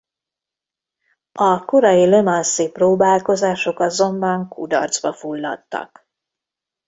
A korai Le Mans-i próbálkozások azonban kudarcba fulladtak.